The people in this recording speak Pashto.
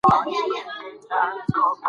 زه د سونا وروسته د رواني آرامۍ تجربه ثبتوم.